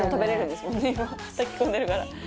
炊き込んでるから。